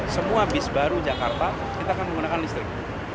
semua bis baru jakarta kita akan menggunakan listrik